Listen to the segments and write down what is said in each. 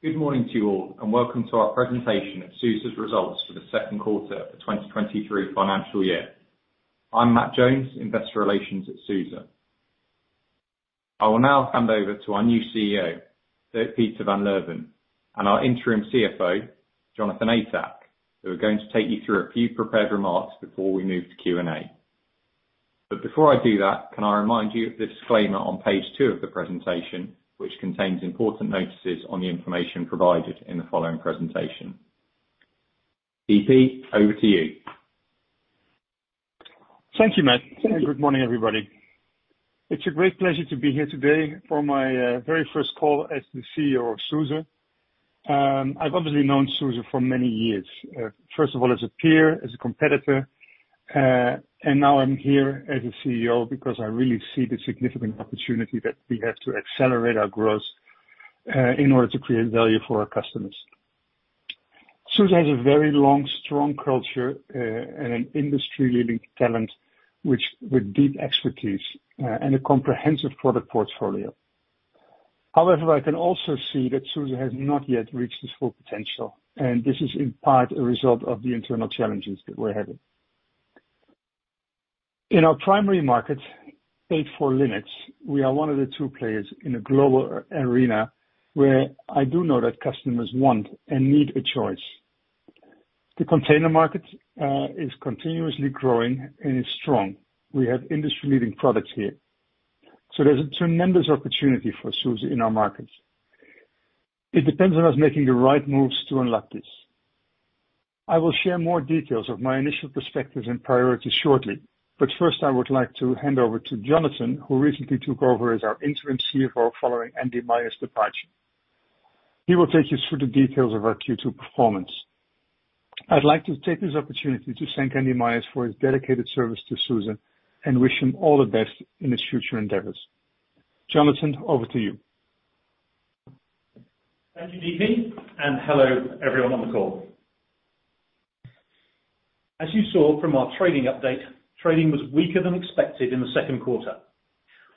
Good morning to you all, welcome to our presentation of SUSE's results for the second quarter of the 2023 financial year. I'm Matt Jones, Investor Relations at SUSE. I will now hand over to our new CEO, Dirk-Peter van Leeuwen, and our interim CFO, Jonathan Atack, who are going to take you through a few prepared remarks before we move to Q&A. Before I do that, can I remind you of the disclaimer on page two of the presentation, which contains important notices on the information provided in the following presentation. DP, over to you. Thank you, Matt. Good morning, everybody. It's a great pleasure to be here today for my very first call as the CEO of SUSE. I've obviously known SUSE for many years. First of all, as a peer, as a competitor, and now I'm here as a CEO because I really see the significant opportunity that we have to accelerate our growth in order to create value for our customers. SUSE has a very long, strong culture and an industry-leading talent, which with deep expertise and a comprehensive product portfolio. However, I can also see that SUSE has not yet reached its full potential, and this is in part a result of the internal challenges that we're having. In our primary market, paid for Linux, we are one of the two players in a global arena, where I do know that customers want and need a choice. The container market, is continuously growing and is strong. We have industry-leading products here, so there's a tremendous opportunity for SUSE in our markets. It depends on us making the right moves to unlock this. I will share more details of my initial perspectives and priorities shortly, but first, I would like to hand over to Jonathan, who recently took over as our Interim CFO following Andy Myers' departure. He will take you through the details of our Q2 performance. I'd like to take this opportunity to thank Andy Myers for his dedicated service to SUSE and wish him all the best in his future endeavors. Jonathan, over to you. Thank you, DP. Hello, everyone on the call. As you saw from our trading update, trading was weaker than expected in the second quarter.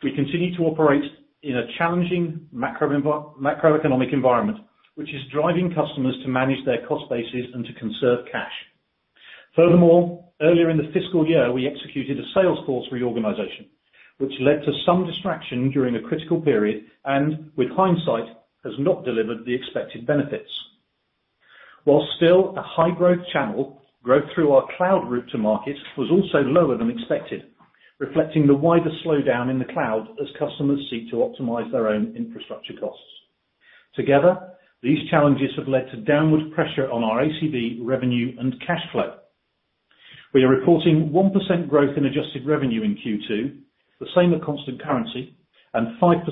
We continued to operate in a challenging macroeconomic environment, which is driving customers to manage their cost bases and to conserve cash. Furthermore, earlier in the fiscal year, we executed a sales force reorganization, which led to some distraction during a critical period, and with hindsight, has not delivered the expected benefits. While still a high-growth channel, growth through our cloud route to market was also lower than expected, reflecting the wider slowdown in the cloud as customers seek to optimize their own infrastructure costs. Together, these challenges have led to downward pressure on our ACV, revenue, and cash flow. We are reporting 1% growth in adjusted revenue in Q2, the same at constant currency, and 5%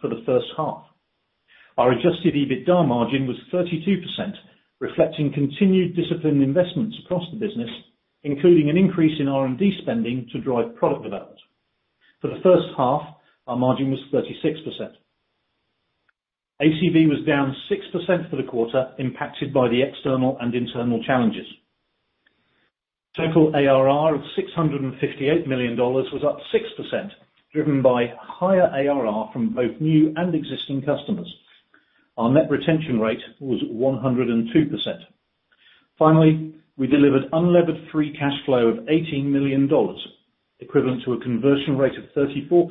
for the first half. Our adjusted EBITDA margin was 32%, reflecting continued disciplined investments across the business, including an increase in R&D spending to drive product development. For the first half, our margin was 36%. ACV was down 6% for the quarter, impacted by the external and internal challenges. Total ARR of $658 million was up 6%, driven by higher ARR from both new and existing customers. Our net retention rate was 102%. Finally, we delivered unlevered free cash flow of $18 million, equivalent to a conversion rate of 34%,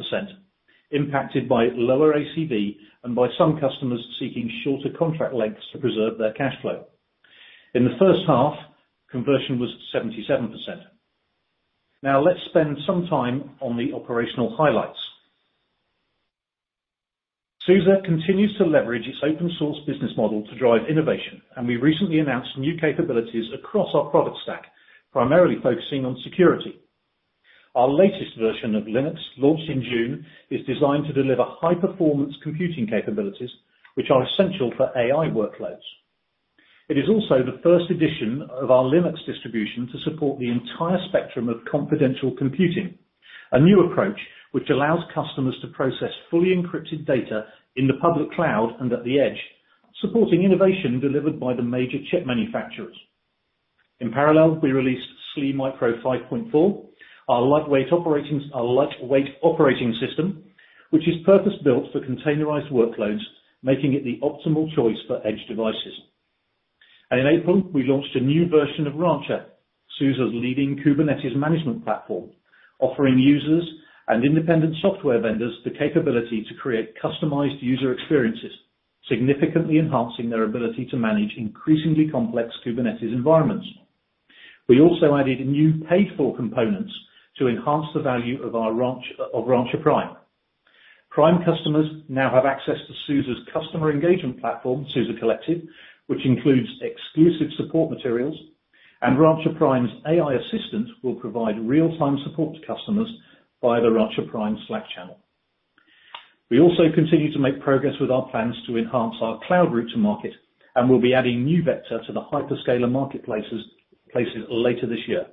impacted by lower ACV and by some customers seeking shorter contract lengths to preserve their cash flow. In the first half, conversion was 77%. Let's spend some time on the operational highlights. SUSE continues to leverage its open source business model to drive innovation. We recently announced new capabilities across our product stack, primarily focusing on security. Our latest version of Linux, launched in June, is designed to deliver high-performance computing capabilities, which are essential for AI workloads. It is also the first edition of our Linux distribution to support the entire spectrum of confidential computing, a new approach which allows customers to process fully encrypted data in the public cloud and at the edge, supporting innovation delivered by the major chip manufacturers. In parallel, we released SLE Micro 5.4, our lightweight operating system, which is purpose-built for containerized workloads, making it the optimal choice for edge devices. In April, we launched a new version of Rancher, SUSE's leading Kubernetes management platform, offering users and independent software vendors the capability to create customized user experiences, significantly enhancing their ability to manage increasingly complex Kubernetes environments. We also added new paid-for components to enhance the value of Rancher Prime. Prime customers now have access to SUSE's customer engagement platform, SUSE Collective, which includes exclusive support materials, and Rancher Prime's AI assistant will provide real-time support to customers via the Rancher Prime Slack channel. We also continue to make progress with our plans to enhance our cloud route to market, and we'll be adding NeuVector to the hyperscaler marketplaces later this year.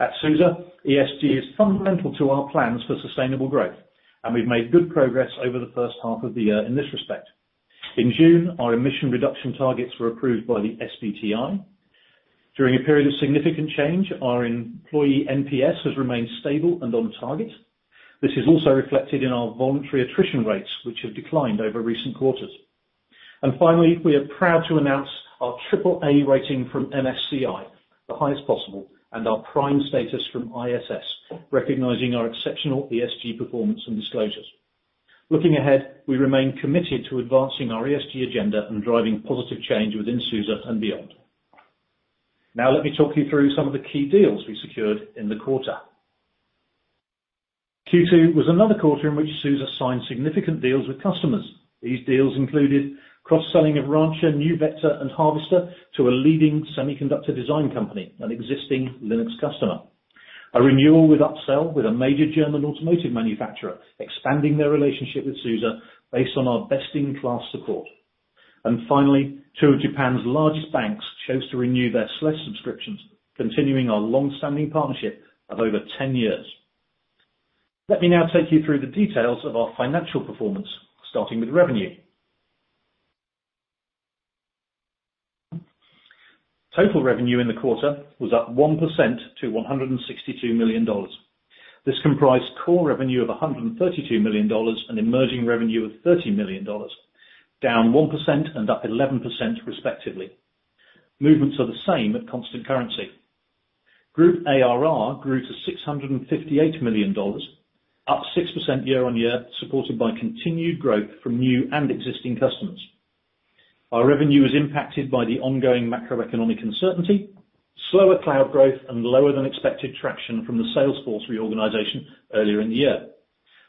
At SUSE, ESG is fundamental to our plans for sustainable growth, and we've made good progress over the first half of the year in this respect. In June, our emission reduction targets were approved by the SBTi. During a period of significant change, our employee NPS has remained stable and on target. This is also reflected in our voluntary attrition rates, which have declined over recent quarters. Finally, we are proud to announce our AAA rating from MSCI, the highest possible, and our prime status from ISS, recognizing our exceptional ESG performance and disclosures. Looking ahead, we remain committed to advancing our ESG agenda and driving positive change within SUSE and beyond. Let me talk you through some of the key deals we secured in the quarter. Q2 was another quarter in which SUSE signed significant deals with customers. These deals included cross-selling of Rancher, NeuVector, and Harvester to a leading semiconductor design company, an existing Linux customer. A renewal with upsell with a major German automotive manufacturer, expanding their relationship with SUSE based on our best-in-class support. Finally, two of Japan's largest banks chose to renew their SLES subscriptions, continuing our long-standing partnership of over 10 years. Let me now take you through the details of our financial performance, starting with revenue. Total revenue in the quarter was up 1% to $162 million. This comprised core revenue of $132 million and emerging revenue of $30 million, down 1% and up 11% respectively. Movements are the same at constant currency. Group ARR grew to $658 million, up 6% year-on-year, supported by continued growth from new and existing customers. Our revenue is impacted by the ongoing macroeconomic uncertainty, slower cloud growth, and lower than expected traction from the salesforce reorganization earlier in the year.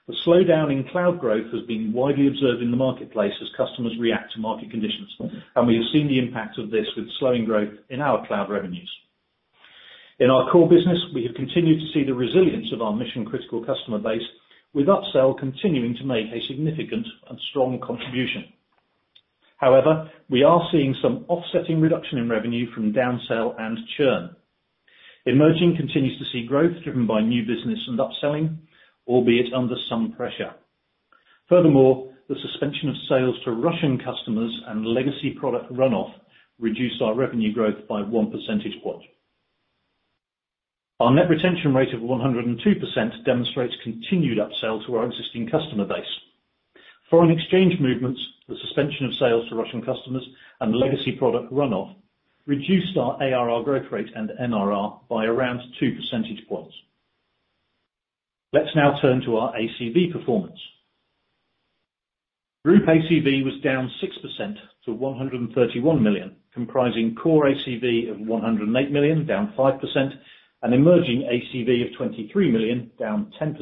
The slowdown in cloud growth has been widely observed in the marketplace as customers react to market conditions, and we have seen the impact of this with slowing growth in our cloud revenues. In our core business, we have continued to see the resilience of our mission-critical customer base, with upsell continuing to make a significant and strong contribution. We are seeing some offsetting reduction in revenue from downsell and churn. Emerging continues to see growth driven by new business and upselling, albeit under some pressure. The suspension of sales to Russian customers and legacy product run-off reduced our revenue growth by 1%. Our Net Retention Rate of 102% demonstrates continued upsell to our existing customer base. Foreign exchange movements, the suspension of sales to Russian customers, and legacy product runoff reduced our ARR growth rate and NRR by around 2%. Let's now turn to our ACV performance. Group ACV was down 6% to $131 million, comprising core ACV of $108 million, down 5%, and emerging ACV of $23 million, down 10%.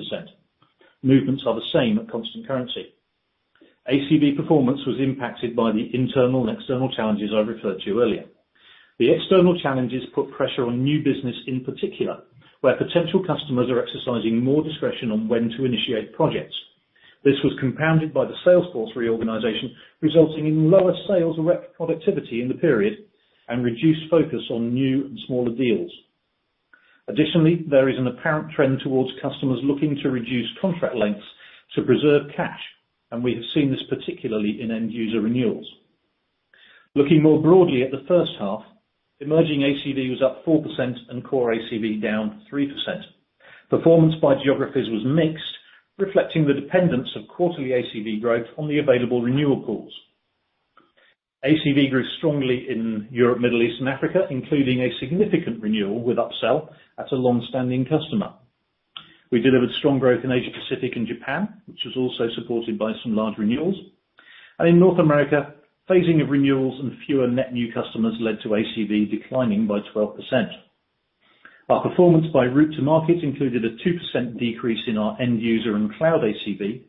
Movements are the same at constant currency. ACV performance was impacted by the internal and external challenges I referred to earlier. The external challenges put pressure on new business, in particular, where potential customers are exercising more discretion on when to initiate projects. This was compounded by the salesforce reorganization, resulting in lower sales rep productivity in the period and reduced focus on new and smaller deals. Additionally, there is an apparent trend towards customers looking to reduce contract lengths to preserve cash, and we have seen this particularly in end user renewals. Looking more broadly at the first half, emerging ACV was up 4% and core ACV down 3%. Performance by geographies was mixed, reflecting the dependence of quarterly ACV growth on the available renewal pools. ACV grew strongly in Europe, Middle East, and Africa, including a significant renewal with upsell at a long-standing customer. We delivered strong growth in Asia Pacific and Japan, which was also supported by some large renewals. In North America, phasing of renewals and fewer net new customers led to ACV declining by 12%. Our performance by route to market included a 2% decrease in our end user and cloud ACV,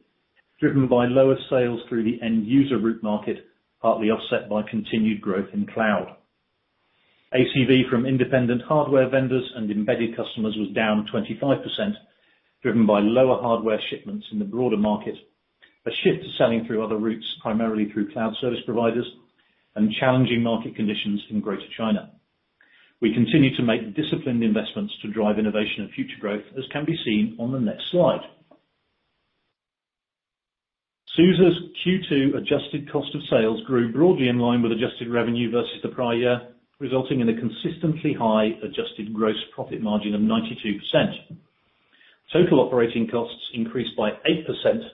driven by lower sales through the end user route market, partly offset by continued growth in cloud. ACV from independent hardware vendors and embedded customers was down 25%, driven by lower hardware shipments in the broader market, a shift to selling through other routes, primarily through cloud service providers, and challenging market conditions in Greater China. We continue to make disciplined investments to drive innovation and future growth, as can be seen on the next slide. SUSE's Q2 Adjusted Cost of Sales grew broadly in line with adjusted revenue versus the prior year, resulting in a consistently high adjusted gross profit margin of 92%. Total operating costs increased by 8%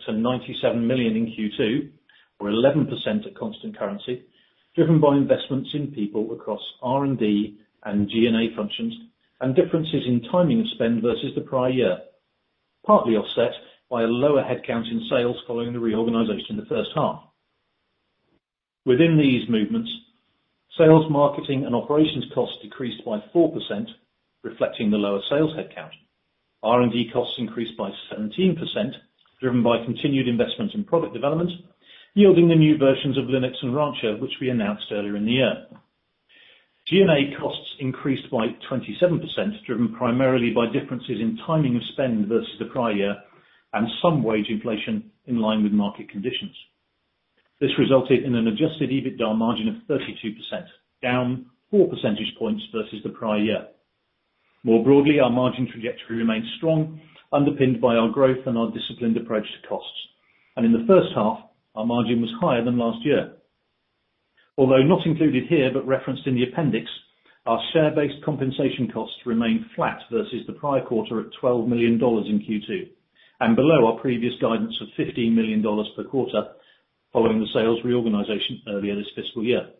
to $97 million in Q2, or 11% at constant currency, driven by investments in people across R&D and G&A functions, and differences in timing of spend versus the prior year, partly offset by a lower headcount in sales following the reorganization in the first half. Within these movements, sales, marketing and operations costs decreased by 4%, reflecting the lower sales headcount. R&D costs increased by 17%, driven by continued investments in product development, yielding the new versions of Linux and Rancher, which we announced earlier in the year. G&A costs increased by 27%, driven primarily by differences in timing of spend versus the prior year and some wage inflation, in line with market conditions. This resulted in an adjusted EBITDA margin of 32%, down 4% versus the prior year. More broadly, our margin trajectory remains strong, underpinned by our growth and our disciplined approach to costs. In the first half, our margin was higher than last year. Although not included here, but referenced in the appendix, our share-based compensation costs remained flat versus the prior quarter at $12 million in Q2, and below our previous guidance of $15 million per quarter following the sales reorganization earlier this fiscal year.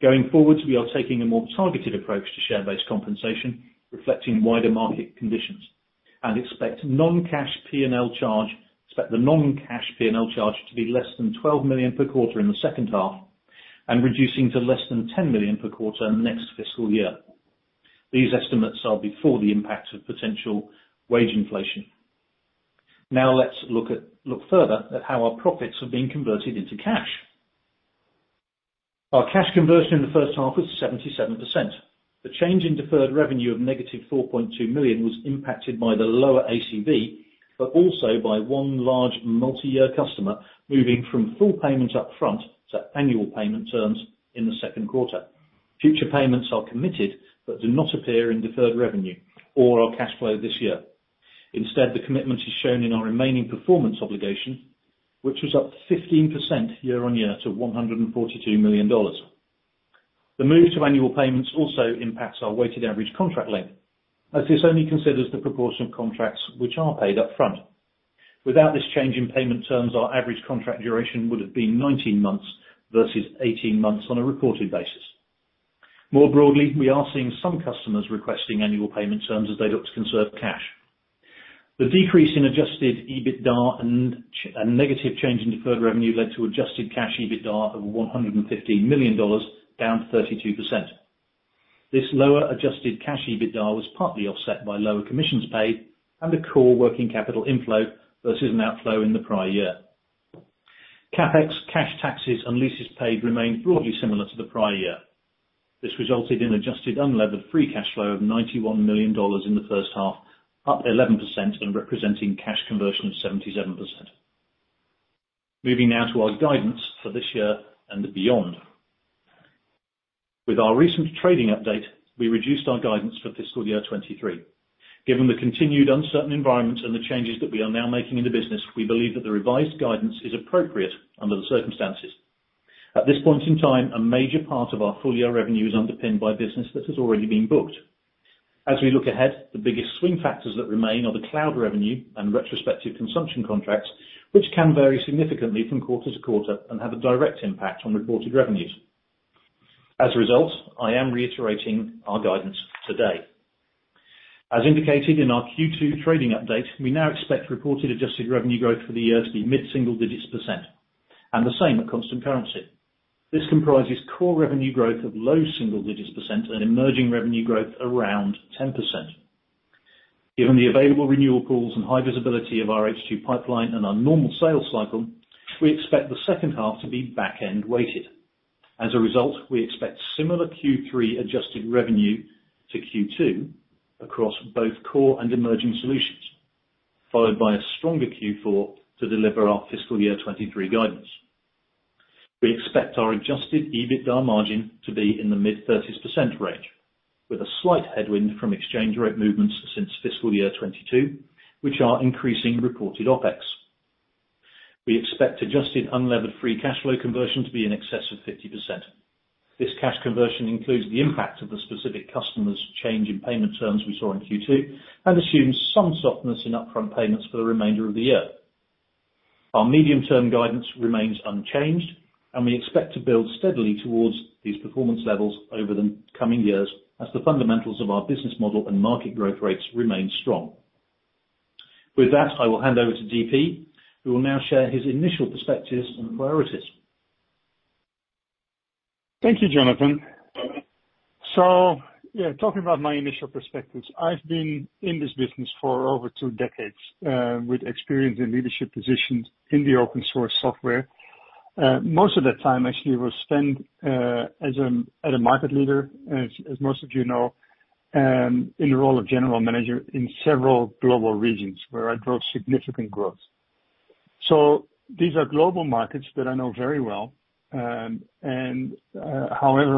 Going forward, we are taking a more targeted approach to share-based compensation, reflecting wider market conditions, expect the non-cash P&L charge to be less than $12 million per quarter in the second half, and reducing to less than $10 million per quarter next fiscal year. These estimates are before the impact of potential wage inflation. Now let's look further at how our profits are being converted into cash. Our cash conversion in the first half was 77%. The change in Deferred Revenue of -$4.2 million was impacted by the lower ACV, but also by one large multi-year customer moving from full payment up front to annual payment terms in the second quarter. Future payments are committed, but do not appear in deferred revenue or our cash flow this year. Instead, the commitment is shown in our remaining performance obligation, which was up 15% year-on-year to $142 million. The move to annual payments also impacts our weighted average contract length, as this only considers the proportion of contracts which are paid upfront. Without this change in payment terms, our average contract duration would have been 19 months versus 18 months on a reported basis. More broadly, we are seeing some customers requesting annual payment terms as they look to conserve cash. The decrease in adjusted EBITDA and negative change in deferred revenue led to adjusted cash EBITDA of $115 million, down 32%. This lower adjusted cash EBITDA was partly offset by lower commissions paid and a core working capital inflow versus an outflow in the prior year. CapEx, cash taxes, and leases paid remained broadly similar to the prior year. This resulted in adjusted unlevered free cash flow of $91 million in the first half, up 11% and representing cash conversion of 77%. Moving now to our guidance for this year and beyond. With our recent trading update, we reduced our guidance for fiscal year 2023. Given the continued uncertain environment and the changes that we are now making in the business, we believe that the revised guidance is appropriate under the circumstances. At this point in time, a major part of our full-year revenue is underpinned by business that has already been booked. As we look ahead, the biggest swing factors that remain are the cloud revenue and retrospective consumption contracts, which can vary significantly from quarter to quarter and have a direct impact on reported revenues. I am reiterating our guidance today. As indicated in our Q2 trading update, we now expect reported adjusted revenue growth for the year to be mid-single-digits percent, and the same at constant currency. This comprises core revenue growth of low single-digits percent and emerging revenue growth around 10%. Given the available renewal pools and high visibility of our H2 pipeline and our normal sales cycle, we expect the second half to be back-end weighted. As a result, we expect similar Q3 adjusted revenue to Q2 across both core and emerging solutions, followed by a stronger Q4 to deliver our fiscal year 2023 guidance. We expect our adjusted EBITDA margin to be in the mid-30% range, with a slight headwind from exchange rate movements since fiscal year 2022, which are increasing reported OpEx. We expect adjusted unlevered free cash flow conversion to be in excess of 50%. This cash conversion includes the impact of the specific customer's change in payment terms we saw in Q2 and assumes some softness in upfront payments for the remainder of the year. Our medium-term guidance remains unchanged, and we expect to build steadily towards these performance levels over the coming years as the fundamentals of our business model and market growth rates remain strong. With that, I will hand over to DP, who will now share his initial perspectives and priorities. Thank you, Jonathan. Yeah, talking about my initial perspectives, I've been in this business for over two decades, with experience in leadership positions in the open source software. Most of that time actually was spent as a market leader, as most of you know, in the role of general manager in several global regions where I drove significant growth. These are global markets that I know very well. However,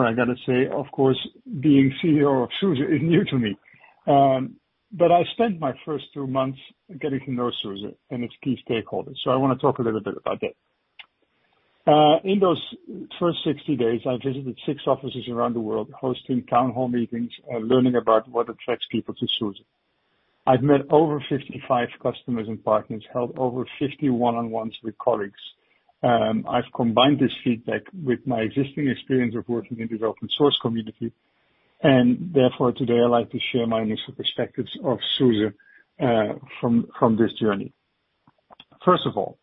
I've got to say, of course, being CEO of SUSE is new to me. I spent my first two months getting to know SUSE and its key stakeholders, I want to talk a little bit about that. In those first 60 days, I visited six offices around the world, hosting town hall meetings and learning about what attracts people to SUSE. I've met over 55 customers and partners, held over 50 one-on-ones with colleagues. I've combined this feedback with my existing experience of working in the open source community, and therefore, today, I'd like to share my initial perspectives of SUSE from this journey. First of all,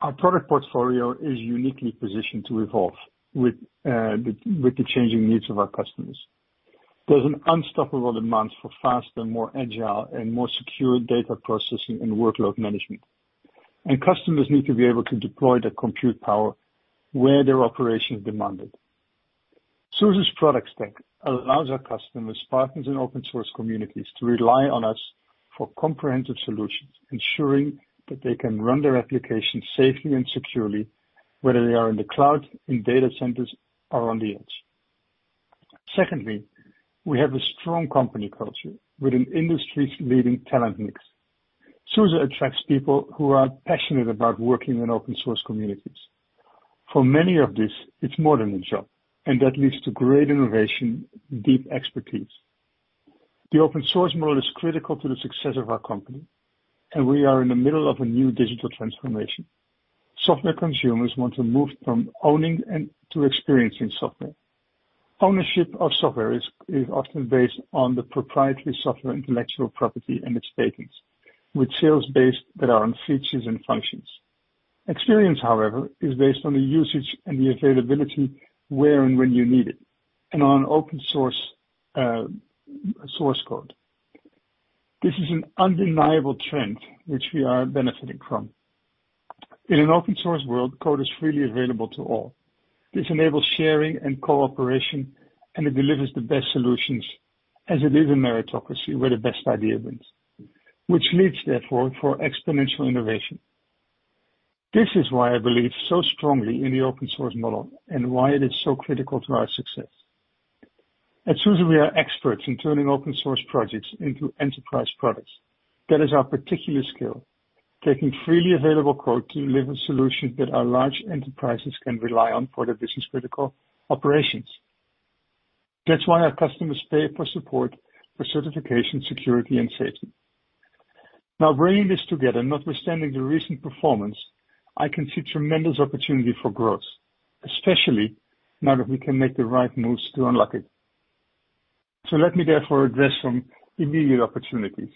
our product portfolio is uniquely positioned to evolve with the changing needs of our customers. There's an unstoppable demand for faster, more agile, and more secure data processing and workload management. Customers need to be able to deploy their compute power where their operations demand it. SUSE's product stack allows our customers, partners, and open source communities to rely on us for comprehensive solutions, ensuring that they can run their applications safely and securely, whether they are in the cloud, in data centers, or on the edge. Secondly, we have a strong company culture with an industry-leading talent mix. SUSE attracts people who are passionate about working in open source communities. For many of these, it's more than a job, and that leads to great innovation, deep expertise. The open source model is critical to the success of our company, and we are in the middle of a new digital transformation. Software consumers want to move from owning and to experiencing software. Ownership of software is often based on the proprietary software, intellectual property, and its patents, with sales-based that are on features and functions. Experience, however, is based on the usage and the availability where and when you need it, and on open source source code. This is an undeniable trend which we are benefiting from. In an open source world, code is freely available to all. This enables sharing and cooperation, it delivers the best solutions as it is a meritocracy, where the best idea wins, which leads, therefore, for exponential innovation. This is why I believe so strongly in the open source model and why it is so critical to our success. At SUSE, we are experts in turning open source projects into enterprise products. That is our particular skill, taking freely available code to deliver solutions that our large enterprises can rely on for their business-critical operations. That's why our customers pay for support, for certification, security, and safety. Bringing this together, notwithstanding the recent performance, I can see tremendous opportunity for growth, especially now that we can make the right moves to unlock it. Let me therefore address some immediate opportunities.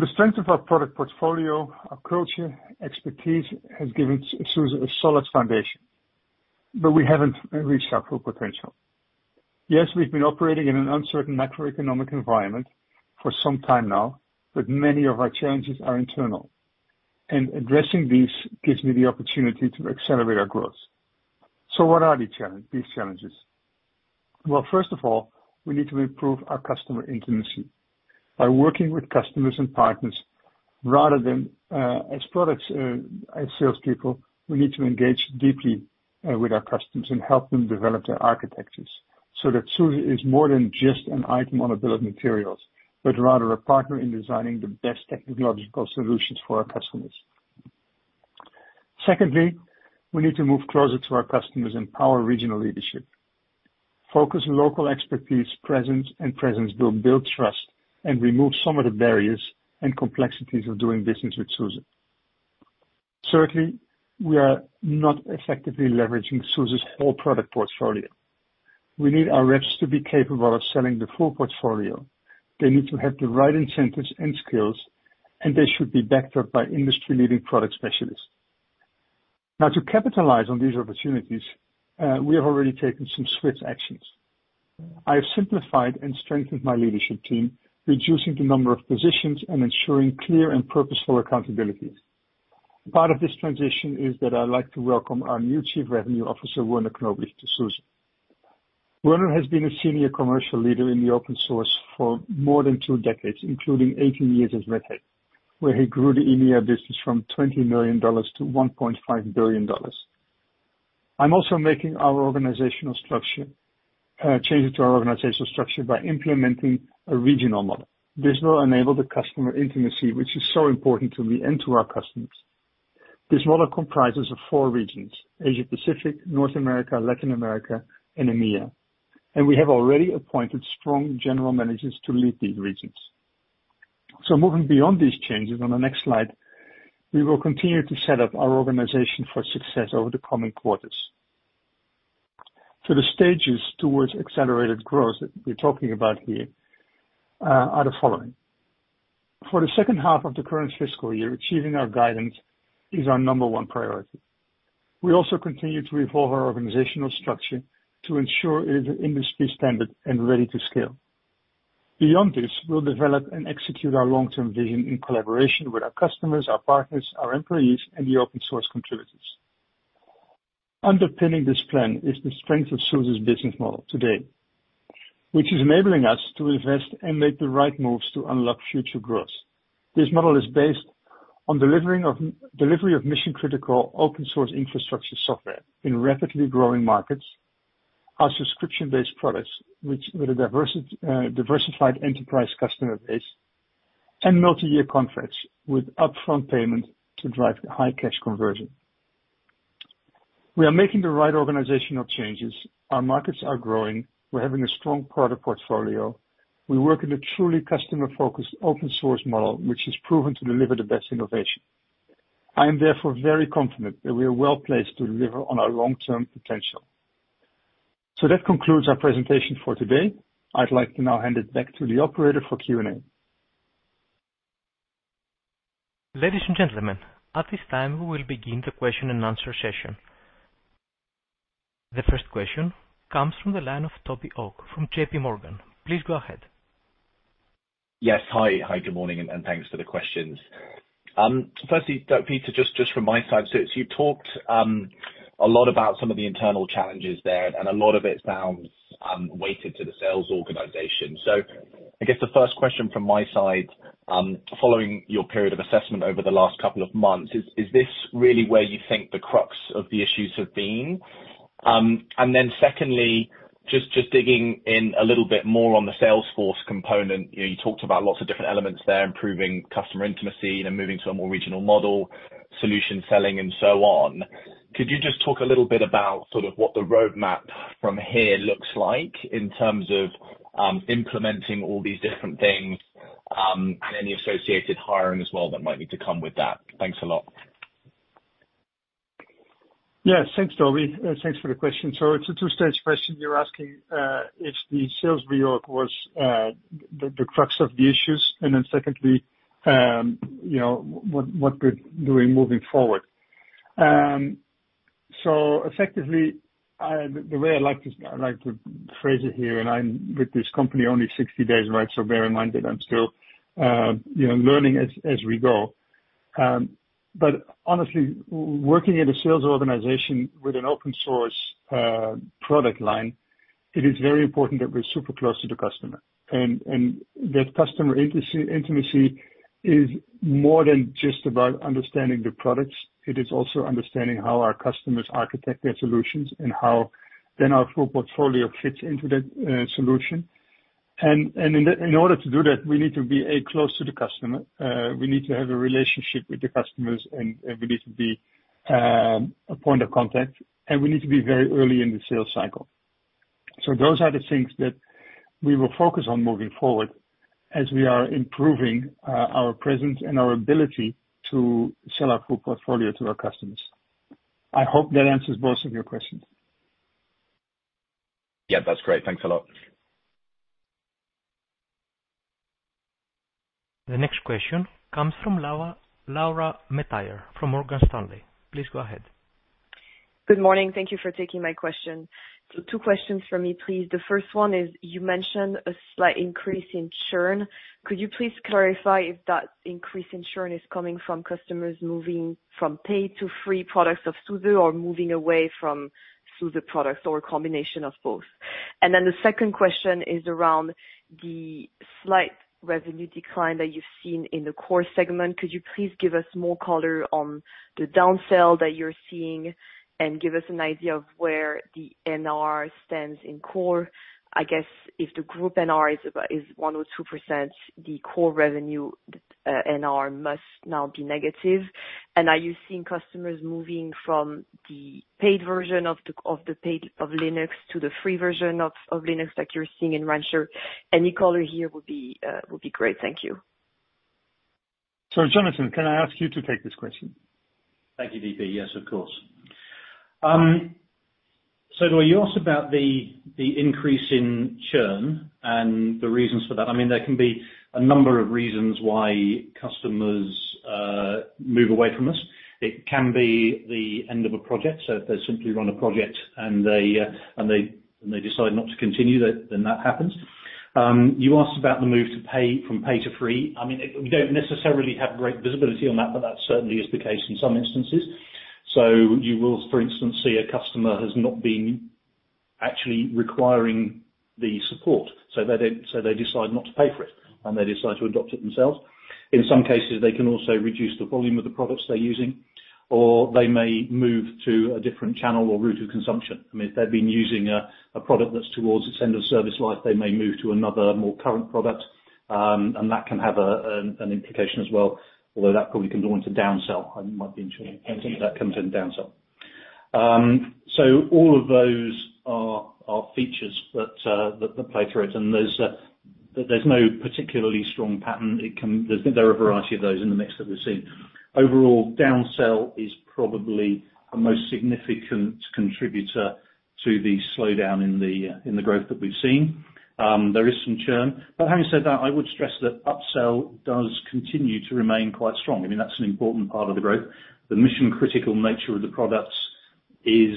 The strength of our product portfolio, our culture, expertise, has given SUSE a solid foundation, but we haven't reached our full potential. Yes, we've been operating in an uncertain macroeconomic environment for some time now, but many of our challenges are internal, and addressing these gives me the opportunity to accelerate our growth. What are these challenges? Well, first of all, we need to improve our customer intimacy. By working with customers and partners, rather than as products, as salespeople, we need to engage deeply with our customers and help them develop their architectures, so that SUSE is more than just an item on a bill of materials, but rather a partner in designing the best technological solutions for our customers. Secondly, we need to move closer to our customers and power regional leadership. Focus local expertise, presence, and presence build trust and remove some of the barriers and complexities of doing business with SUSE. Certainly, we are not effectively leveraging SUSE's whole product portfolio. We need our reps to be capable of selling the full portfolio. They need to have the right incentives and skills, and they should be backed up by industry-leading product specialists. Now, to capitalize on these opportunities, we have already taken some swift actions. I have simplified and strengthened my leadership team, reducing the number of positions and ensuring clear and purposeful accountabilities. Part of this transition is that I'd like to welcome our new Chief Revenue Officer, Werner Knoblich, to SUSE. Werner has been a senior commercial leader in the open source for more than two decades, including 18 years at Red Hat, where he grew the EMEA business from $20 million to $1.5 billion. I'm also making our organizational structure, changes to our organizational structure by implementing a regional model. This will enable the customer intimacy, which is so important to me and to our customers. This model comprises of four regions: Asia Pacific, North America, Latin America, and EMEA. And we have already appointed strong general managers to lead these regions. Moving beyond these changes, on the next slide, we will continue to set up our organization for success over the coming quarters. The stages towards accelerated growth that we're talking about here, are the following. For the second half of the current fiscal year, achieving our guidance is our number one priority. We also continue to evolve our organizational structure to ensure it is industry standard and ready to scale. Beyond this, we'll develop and execute our long-term vision in collaboration with our customers, our partners, our employees, and the open source contributors. Underpinning this plan is the strength of SUSE's business model today, which is enabling us to invest and make the right moves to unlock future growth. This model is based on delivery of mission-critical, open-source infrastructure software in rapidly growing markets, our subscription-based products, which, with a diversified enterprise customer base, and multi-year contracts with upfront payment to drive high cash conversion. We are making the right organizational changes. Our markets are growing. We're having a strong product portfolio. We work in a truly customer-focused, open-source model, which has proven to deliver the best innovation. I am therefore very confident that we are well-placed to deliver on our long-term potential. That concludes our presentation for today. I'd like to now hand it back to the operator for Q&A. Ladies and gentlemen, at this time, we will begin the question-and-answer session. The first question comes from the line of Toby Ogg from JPMorgan. Please go ahead. Yes, hi. Hi, good morning, and thanks for the questions. Firstly, though, Peter, just from my side, so you talked a lot about some of the internal challenges there, and a lot of it sounds weighted to the sales organization. I guess the first question from my side, following your period of assessment over the last couple of months, is this really where you think the crux of the issues have been? Secondly, just digging in a little bit more on the sales force component, you know, you talked about lots of different elements there, improving customer intimacy, and then moving to a more regional model, solution selling, and so on. Could you just talk a little bit about sort of what the roadmap from here looks like in terms of, implementing all these different things, and any associated hiring as well that might need to come with that? Thanks a lot. Yeah. Thanks, Toby. Thanks for the question. It's a two-stage question you're asking if the sales reorg was the crux of the issues, and then secondly, you know, what we're doing moving forward. Effectively, the way I'd like to phrase it here, and I'm with this company only 60 days, right? So bear in mind that I'm still, you know, learning as we go. But honestly, working in a sales organization with an open source product line, it is very important that we're super close to the customer, and that customer intimacy is more than just about understanding the products. It is also understanding how our customers architect their solutions, and how then our full portfolio fits into that solution. In order to do that, we need to be close to the customer. We need to have a relationship with the customers, and we need to be a point of contact, and we need to be very early in the sales cycle. Those are the things that we will focus on moving forward as we are improving our presence and our ability to sell our full portfolio to our customers. I hope that answers both of your questions. Yeah, that's great. Thanks a lot. The next question comes from Laura Metayer, from Morgan Stanley. Please go ahead. Good morning. Thank you for taking my question. Two questions from me, please. The first one is, you mentioned a slight increase in churn. Could you please clarify if that increase in churn is coming from customers moving from paid to free products of SUSE, or moving away from SUSE products, or a combination of both? The second question is around the slight revenue decline that you've seen in the Core segment. Could you please give us more colour on the downsell that you're seeing, and give us an idea of where the NRR stands in Core? I guess if the group NRR is about 1% or 2%, the core revenue NRR must now be negative. Are you seeing customers moving from the paid version of the paid Linux to the free version of Linux, like you're seeing in Rancher? Any colour here would be great. Thank you. Jonathan, can I ask you to take this question? Thank you, DP. Yes, of course. You asked about the increase in churn and the reasons for that. I mean, there can be a number of reasons why customers move away from us. It can be the end of a project, so if they simply run a project and they decide not to continue, then that happens. You asked about the move to pay, from pay to free. I mean, we don't necessarily have great visibility on that, but that certainly is the case in some instances. You will, for instance, see a customer has not been actually requiring the support, so they decide not to pay for it, and they decide to adopt it themselves. In some cases, they can also reduce the volume of the products they're using, or they may move to a different channel or route of consumption. I mean, if they've been using a product that's towards its end of service life, they may move to another, more current product. That can have an implication as well, although that probably can go into downsell and might be interesting, anything that comes in downsell. All of those are features that play through it, and there's no particularly strong pattern. There are a variety of those in the mix that we've seen. Overall, downsell is probably the most significant contributor to the slowdown in the growth that we've seen. There is some churn, but having said that, I would stress that upsell does continue to remain quite strong. I mean, that's an important part of the growth. The mission-critical nature of the products is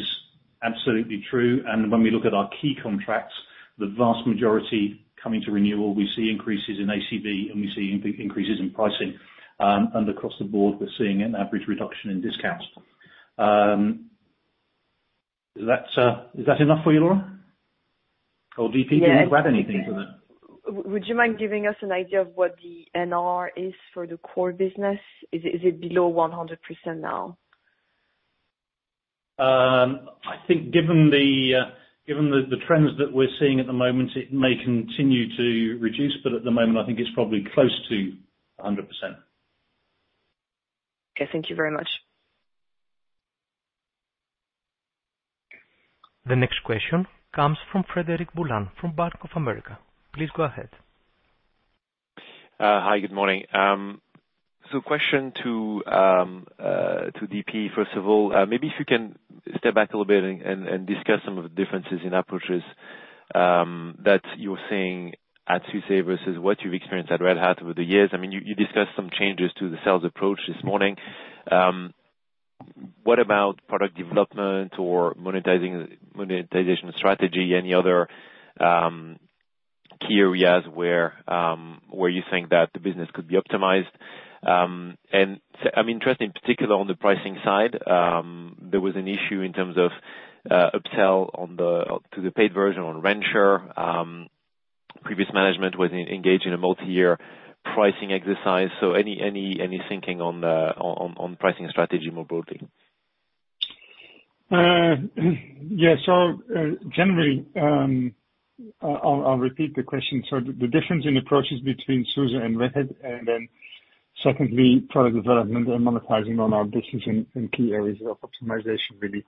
absolutely true, and when we look at our key contracts, the vast majority coming to renewal, we see increases in ACV, and we see increases in pricing. Across the board, we're seeing an average reduction in discounts. Is that enough for you, Laura? DP, do you want to add anything to that? Would you mind giving us an idea of what the NRR is for the core business? Is it below 100% now? I think given the trends that we're seeing at the moment, it may continue to reduce, but at the moment, I think it's probably close to 100%. Okay. Thank you very much. The next question comes from Frederic Boulan, from Bank of America. Please go ahead. Hi, good morning. So question to DP, first of all. Maybe if you can step back a little bit and discuss some of the differences in approaches that you're seeing at SUSE versus what you've experienced at Red Hat over the years. I mean, you discussed some changes to the sales approach this morning. What about product development or monetization strategy? Any other key areas where you think that the business could be optimized? I'm interested in particular on the pricing side, there was an issue in terms of upsell to the paid version on Rancher. Previous management was engaged in a multi-year pricing exercise, so any thinking on the pricing strategy more broadly? Yeah, generally, I'll repeat the question. The difference in approaches between SUSE and Red Hat, and then secondly, product development and monetizing on our business in key areas of optimization, really.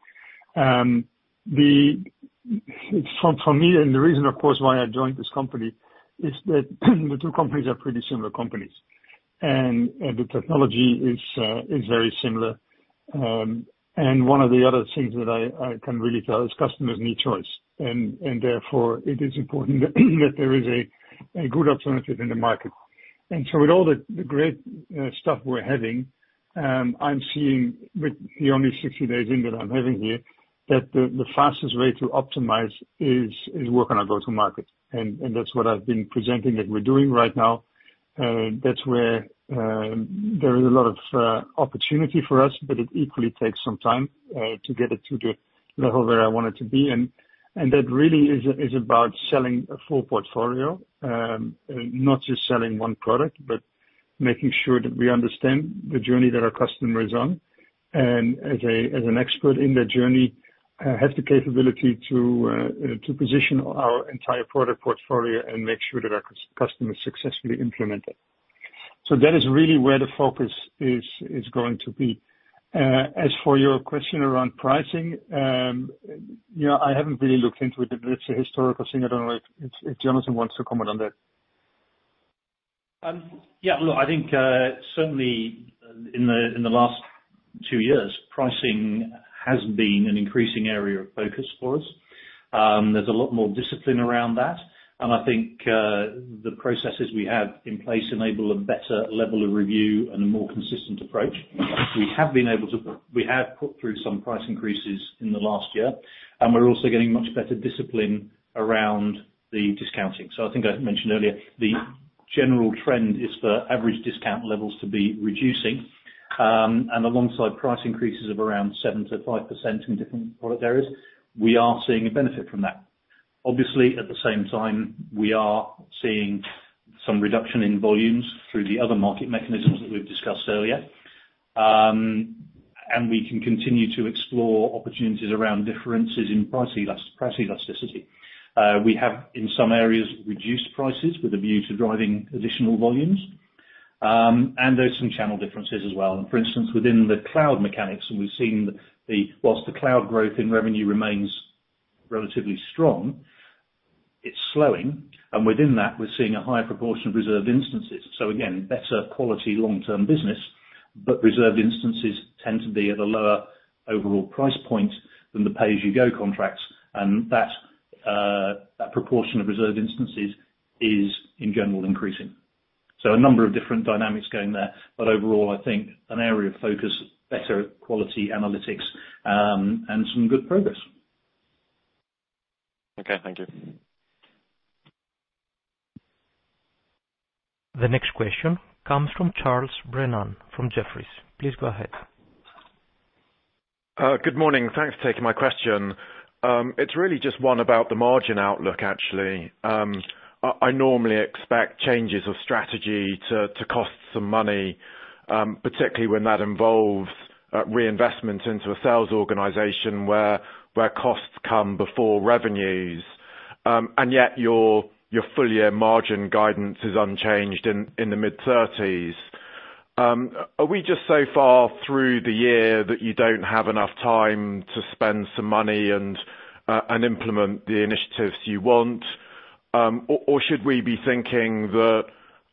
For me, and the reason, of course, why I joined this company, is that the two companies are pretty similar companies. And the technology is very similar. And one of the other things that I can really tell is customers need choice, and therefore, it is important that there is a good alternative in the market. With all the great stuff we're having, I'm seeing with the only 60 days in that I'm having here, that the fastest way to optimize is work on our go-to-market. That's what I've been presenting, that we're doing right now. That's where there is a lot of opportunity for us, but it equally takes some time to get it to the level where I want it to be. That really is about selling a full portfolio, not just selling one product, but making sure that we understand the journey that our customer is on. As a, as an expert in their journey, have the capability to position our entire product portfolio and make sure that our customer successfully implement it. That is really where the focus is going to be. As for your question around pricing, you know, I haven't really looked into it, but it's a historical thing. I don't know if Jonathan wants to comment on that. Yeah, look, I think, certainly in the last two years, pricing has been an increasing area of focus for us. There's a lot more discipline around that. I think the processes we have in place enable a better level of review and a more consistent approach. We have put through some price increases in the last year, and we're also getting much better discipline around the discounting. I think I mentioned earlier, the general trend is for average discount levels to be reducing, and alongside price increases of around 7%-5% in different product areas, we are seeing a benefit from that. Obviously, at the same time, we are seeing some reduction in volumes through the other market mechanisms that we've discussed earlier. We can continue to explore opportunities around differences in price elasticity. We have, in some areas, reduced prices with a view to driving additional volumes. There's some channel differences as well. For instance, within the cloud mechanics, whilst the cloud growth in revenue remains relatively strong, it's slowing, and within that, we're seeing a higher proportion of reserved instances. Again, better quality long-term business, but reserved instances tend to be at a lower overall price point than the pay-as-you-go contracts. That proportion of reserved instances is, in general, increasing. A number of different dynamics going there, but overall, I think an area of focus, better quality analytics and some good progress. Okay, thank you. The next question comes from Charles Brennan from Jefferies, please go ahead. Good morning. Thanks for taking my question. It's really just one about the margin outlook, actually. I normally expect changes of strategy to cost some money, particularly when that involves reinvestment into a sales organization, where costs come before revenues. Yet, your full year margin guidance is unchanged in the mid-30s. Are we just so far through the year that you don't have enough time to spend some money and implement the initiatives you want? Or should we be thinking that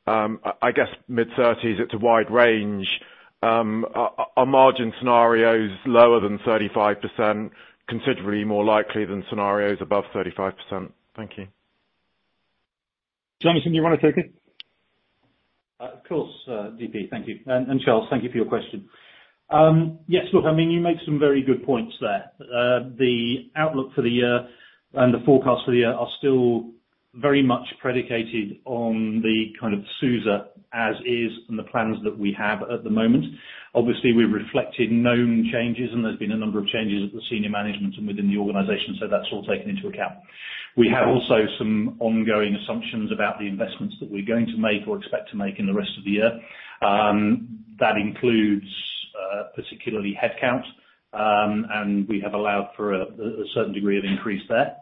I guess mid-30s, it's a wide range, are margin scenarios lower than 35%, considerably more likely than scenarios above 35%? Thank you. Jonathan, do you want to take it? Of course, DP, thank you. Charles, thank you for your question. Yes, look, I mean, you make some very good points there. The outlook for the year and the forecast for the year are still very much predicated on the kind of SUSE as is and the plans that we have at the moment. Obviously, we've reflected known changes, and there's been a number of changes at the senior management and within the organization, so that's all taken into account. We have also some ongoing assumptions about the investments that we're going to make or expect to make in the rest of the year. That includes, particularly headcount, and we have allowed for a certain degree of increase there.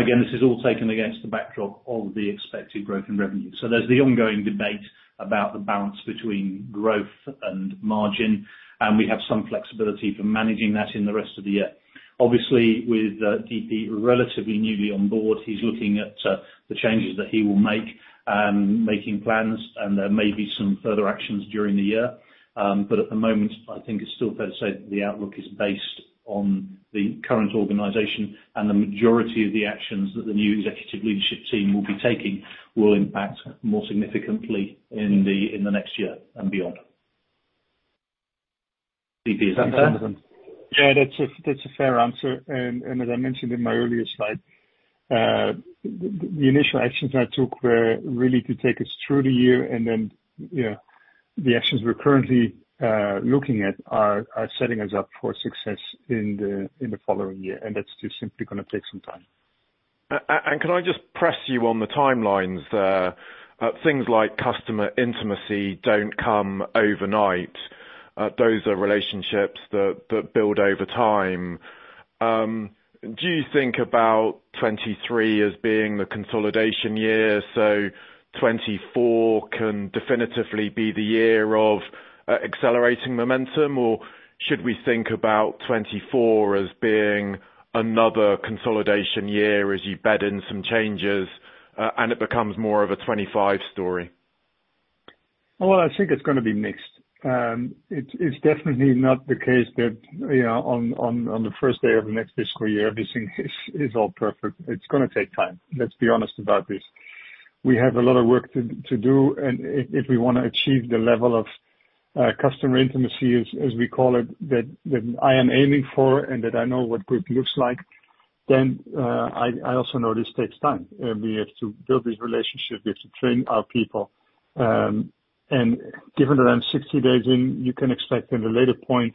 Again, this is all taken against the backdrop of the expected growth in revenue. There's the ongoing debate about the balance between growth and margin, and we have some flexibility for managing that in the rest of the year. Obviously, with DP relatively newly on board, he's looking at the changes that he will make, making plans, and there may be some further actions during the year. At the moment, I think it's still fair to say that the outlook is based on the current organization, and the majority of the actions that the new executive leadership team will be taking will impact more significantly in the next year and beyond. DP, is that fair? That's a fair answer. As I mentioned in my earlier slide, the initial actions I took were really to take us through the year. Then, the actions we're currently looking at are setting us up for success in the following year. That's just simply gonna take some time. Can I just press you on the timelines there? Things like customer intimacy don't come overnight. Those are relationships that build over time. Do you think about 2023 as being the consolidation year, so 2024 can definitively be the year of accelerating momentum? Or should we think about 2024 as being another consolidation year as you bed in some changes, and it becomes more of a 2025 story? Well, I think it's gonna be mixed. It's definitely not the case that on the first day of next fiscal year, everything is all perfect. It's gonna take time. Let's be honest about this. We have a lot of work to do, and if we wanna achieve the level of customer intimacy, as we call it, that I am aiming for, and that I know what good looks like, then I also know this takes time. We have to build these relationships. We have to train our people. Given that I'm 60-days in, you can expect at a later point,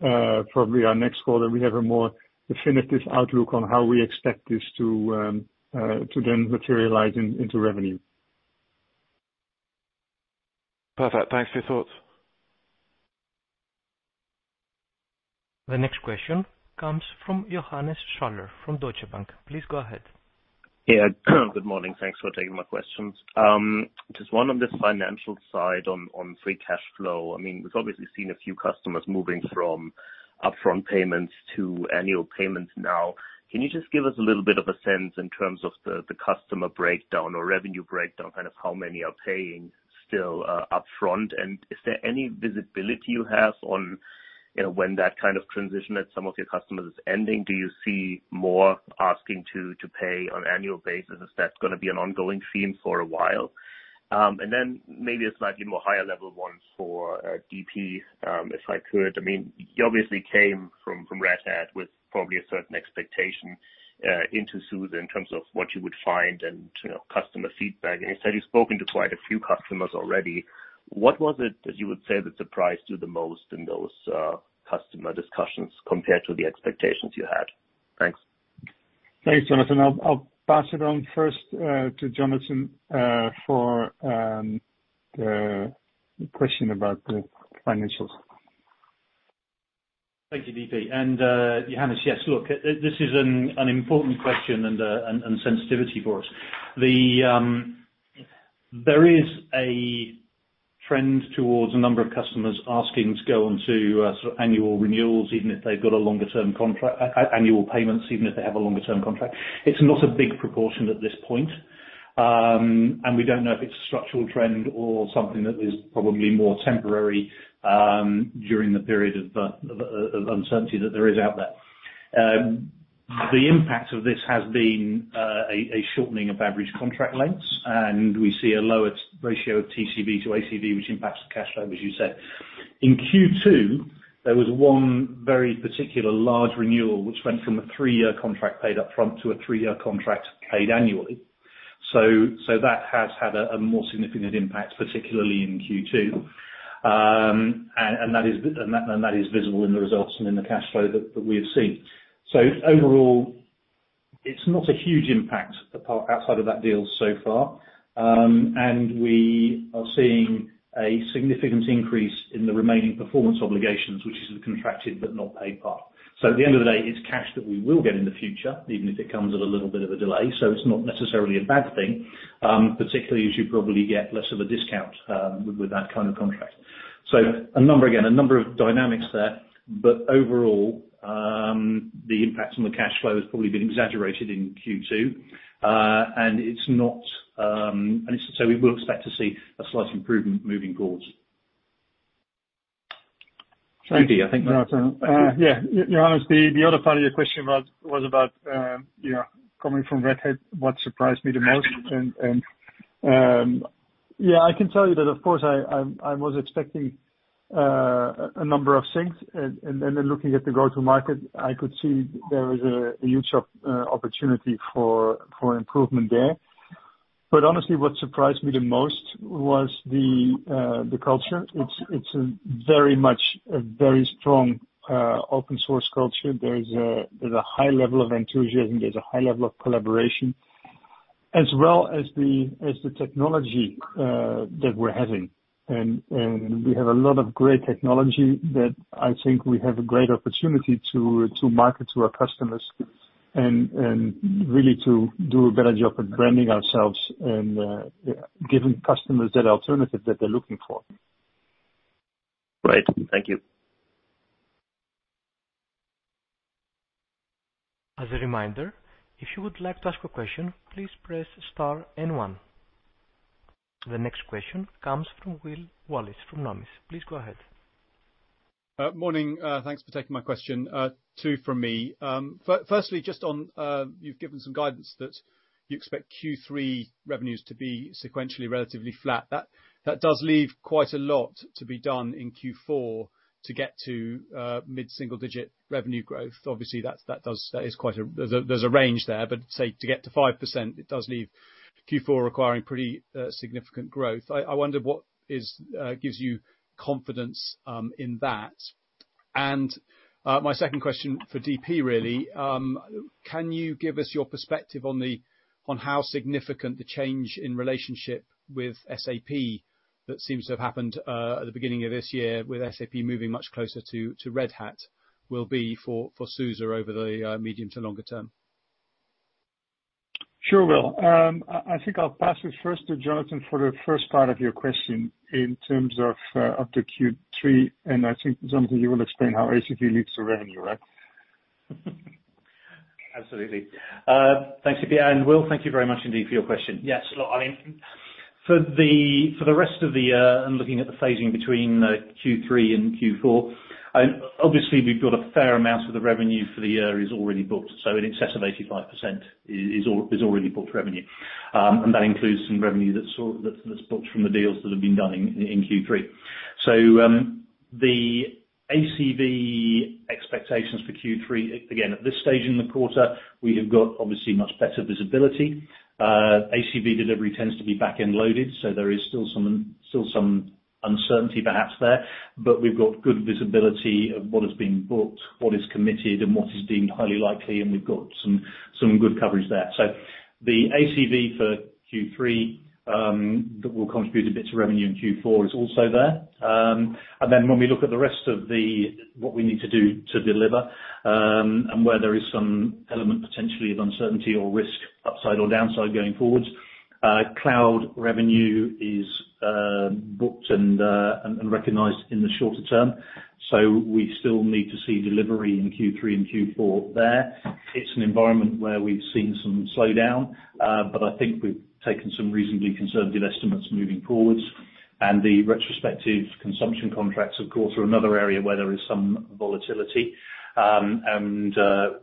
probably our next call, that we have a more definitive outlook on how we expect this to then materialize into revenue. Perfect. Thanks for your thoughts. The next question comes from Johannes Schaller from Deutsche Bank. Please go ahead. Yeah. Good morning. Thanks for taking my questions. Just one on the financial side, on free cash flow. I mean, we've obviously seen a few customers moving from upfront payments to annual payments now. Can you just give us a little bit of a sense in terms of the customer breakdown or revenue breakdown, kind of how many are paying still upfront? Is there any visibility you have on, you know, when that kind of transition at some of your customers is ending? Do you see more asking to pay on annual basis? Is that gonna be an ongoing theme for a while? Maybe a slightly more higher level one for DP, if I could. I mean, you obviously came from Red Hat with probably a certain expectation, into SUSE, in terms of what you would find and, you know, customer feedback. You said you've spoken to quite a few customers already. What was it that you would say that surprised you the most in those customer discussions compared to the expectations you had? Thanks. Thanks, Jonathan. I'll pass it on first to Jonathan for the question about the financials. Thank you, DP. And Johannes, yes, look, this is an important question and sensitivity for us. There is a trend towards a number of customers asking to go onto sort of annual renewals, even if they've got a longer term contract, annual payments, even if they have a longer term contract. It's not a big proportion at this point, and we don't know if it's a structural trend or something that is probably more temporary during the period of uncertainty that there is out there. The impact of this has been a shortening of average contract lengths, and we see a lower ratio of TCV to ACV, which impacts the cash flow, as you said. In Q2, there was one very particular large renewal, which went from a three-year contract paid up front to a three-year contract paid annually. That has had a more significant impact, particularly in Q2. And that is visible in the results and in the cash flow that we have seen. Overall, it's not a huge impact outside of that deal so far. And we are seeing a significant increase in the remaining performance obligations, which is the contracted but not paid part. At the end of the day, it's cash that we will get in the future, even if it comes at a little bit of a delay, so it's not necessarily a bad thing, particularly as you probably get less of a discount with that kind of contract. A number, again, a number of dynamics there, but overall, the impact on the cash flow has probably been exaggerated in Q2. We will expect to see a slight improvement moving forward. Yeah. Johannes, the other part of your question was about, you know, coming from Red Hat, what surprised me the most? Yeah, I can tell you that, of course, I was expecting a number of things, and then looking at the go-to market, I could see there was a huge opportunity for improvement there. Honestly, what surprised me the most was the culture. It's a very much, a very strong, open source culture. There's a high level of enthusiasm, there's a high level of collaboration, as well as the technology that we're having. We have a lot of great technology that I think we have a great opportunity to market to our customers, and really to do a better job at branding ourselves and giving customers that alternative that they're looking for. Great. Thank you. As a reminder, if you would like to ask a question, please press star and one. The next question comes from Will Wallace from Nomura. Please go ahead. Morning. Thanks for taking my question. Two from me. Firstly, just on, you've given some guidance that you expect Q3 revenues to be sequentially relatively flat. That does leave quite a lot to be done in Q4 to get to mid-single digit revenue growth. Obviously, that does, that is there's a, there's a range there. Say, to get to 5%, it does leave Q4 requiring pretty significant growth. I wonder what is gives you confidence in that? My second question for DP, really, can you give us your perspective on how significant the change in relationship with SAP, that seems to have happened at the beginning of this year, with SAP moving much closer to Red Hat, will be for SUSE over the medium to longer term? Sure, Will. I think I'll pass it first to Jonathan for the first part of your question in terms of the Q3, and I think, Jonathan, you will explain how ACV leads to revenue, right? Absolutely. Thanks, DP. Will, thank you very much indeed for your question. Yes, look, I mean, for the rest of the year, looking at the phasing between Q3 and Q4, obviously, we've got a fair amount of the revenue for the year is already booked, so in excess of 85% is already booked revenue. That includes some revenue that's sort of, that's booked from the deals that have been done in Q3. The ACV expectations for Q3, again, at this stage in the quarter, we have got obviously much better visibility. ACV delivery tends to be back-end loaded, so there is still some uncertainty perhaps there, but we've got good visibility of what is being booked, what is committed, and what is deemed highly likely, and we've got some good coverage there. The ACV for Q3, that will contribute a bit to revenue in Q4 is also there. When we look at the rest of the, what we need to do to deliver, and where there is some element, potentially, of uncertainty or risk, upside or downside, going forwards, cloud revenue is booked and recognized in the shorter term, so we still need to see delivery in Q3 and Q4 there. It's an environment where we've seen some slowdown, I think we've taken some reasonably conservative estimates moving forwards. The retrospective consumption contracts, of course, are another area where there is some volatility,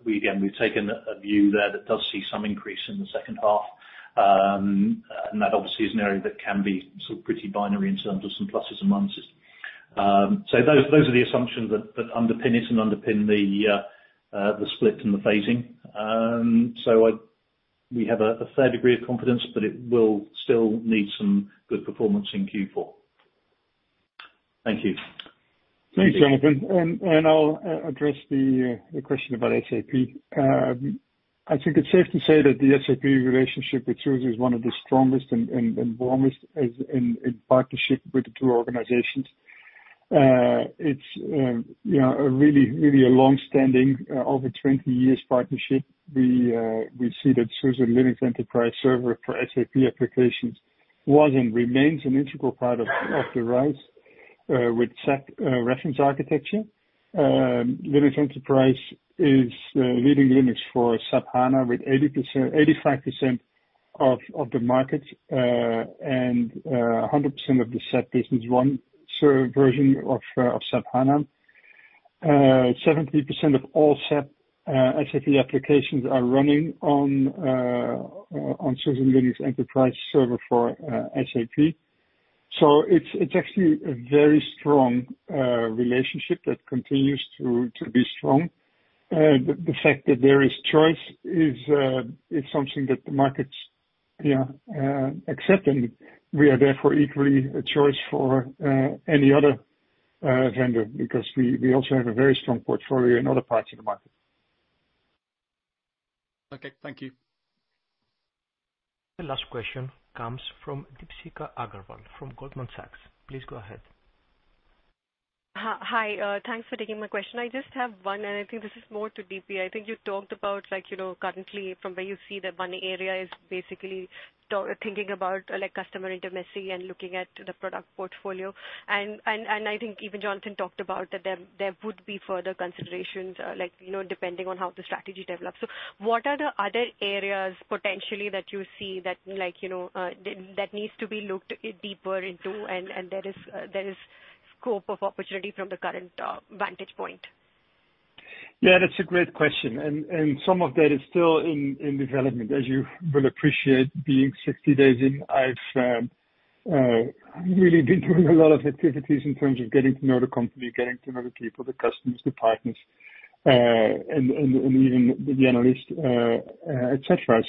we again, we've taken a view there that does see some increase in the second half. That obviously is an area that can be sort of pretty binary in terms of some pluses and minuses. Those are the assumptions that underpin it and underpin the split and the phasing. We have a fair degree of confidence, but it will still need some good performance in Q4. Thank you. Thanks, Jonathan, and I'll address the question about SAP. I think it's safe to say that the SAP relationship with SUSE is one of the strongest and warmest as in partnership with the two organizations. It's, you know, a really long-standing, over 20 years partnership. We see that SUSE Linux Enterprise Server for SAP Applications was, and remains, an integral part of the RISE with SAP Reference Architecture. Linux Enterprise is leading Linux for SAP HANA with 80%, 85% of the market, and 100% of the SAP Business One server version of SAP HANA. 70% of all SAP applications are running on SUSE Linux Enterprise Server for SAP. It's actually a very strong relationship that continues to be strong. The fact that there is choice is something that the markets accept, and we are therefore equally a choice for any other vendor, because we also have a very strong portfolio in other parts of the market. Okay. Thank you. The last question comes from Deepshikha Agarwal from Goldman Sachs. Please go ahead. Hi, thanks for taking my question. I just have one, and I think this is more to DP. I think you talked about, like, you know, currently, from where you see that one area is basically thinking about, like, customer intimacy and looking at the product portfolio. And I think even Jonathan talked about that there would be further considerations, like, you know, depending on how the strategy develops. What are the other areas, potentially, that you see that, like, you know, that needs to be looked deeper into, and there is scope of opportunity from the current, vantage point? Yeah, that's a great question, and some of that is still in development. As you will appreciate, being 60 days in, I've really been doing a lot of activities in terms of getting to know the company, getting to know the people, the customers, the partners, and even the analysts, et cetera.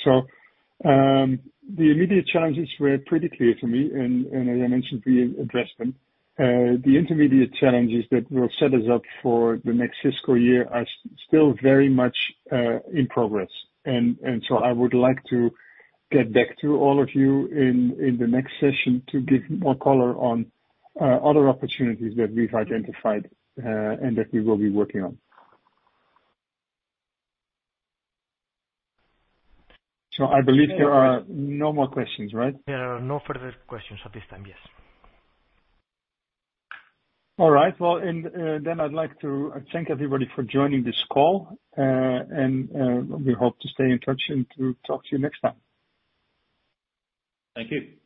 The immediate challenges were pretty clear to me, and as I mentioned, we addressed them. The intermediate challenges that will set us up for the next fiscal year are still very much in progress. I would like to get back to all of you in the next session, to give more colour on other opportunities that we've identified and that we will be working on. I believe there are no more questions, right? There are no further questions at this time, yes. All right. Well, I'd like to thank everybody for joining this call. We hope to stay in touch and to talk to you next time. Thank you.